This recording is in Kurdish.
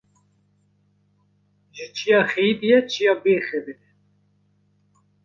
Ji çiya xeyîdiye çiya bê xeber e